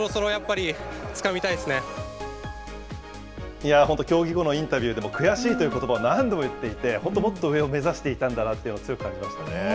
いやー、本当、競技後のインタビューでも悔しいということばを何度も言っていて、本当、もっと上を目指していたんだなっていうのを強く感じました